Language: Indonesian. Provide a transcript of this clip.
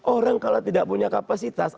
orang kalau tidak punya kapasitas